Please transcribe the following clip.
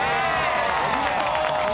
お見事！